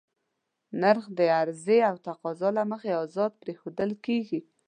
نرخ د عرضې او تقاضا له مخې ازاد پرېښودل کېږي.